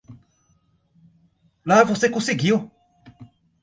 Lá você conseguiu!